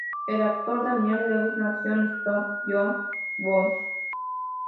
El actor Damian Lewis nació en St John's Wood.